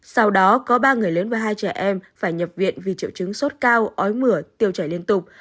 sau đó có ba người lớn và hai trẻ em phải nhập viện vì triệu chứng sốt cao ói mửa tiêu chảy liên tục